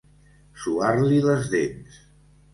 Suar-li les dents.